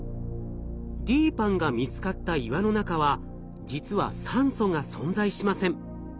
ＤＰＡＮＮが見つかった岩の中は実は酸素が存在しません。